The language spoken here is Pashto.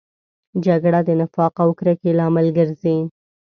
جګړه د نفاق او کرکې لامل ګرځي